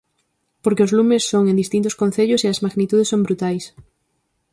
Porque os lumes son en distintos concellos e as magnitudes son brutais.